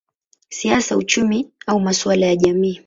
siasa, uchumi au masuala ya jamii.